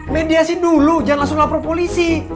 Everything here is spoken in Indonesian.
mediasi dulu jangan langsung laporan ke polisi